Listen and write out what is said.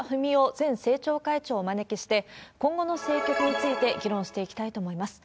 前政調会長をお招きして、今後の政局について、議論していきたいと思います。